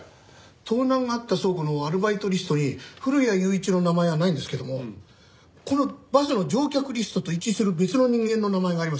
盗難があった倉庫のアルバイトリストに古谷雄一の名前はないんですけどもこのバスの乗客リストと一致する別の人間の名前がありますよ。